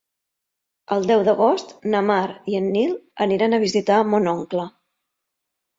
El deu d'agost na Mar i en Nil aniran a visitar mon oncle.